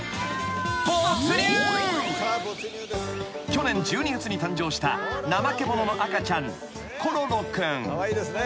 ［去年１２月に誕生したナマケモノの赤ちゃん］